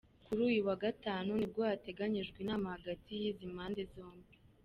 Kuri uyu wa Gatanu nibwo hateganyijwe inama hagati y’izi mpande zombi.